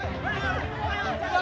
ayo kita kejar